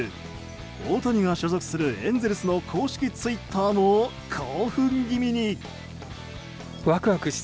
大谷が所属するエンゼルスの公式ツイッターも興奮気味に。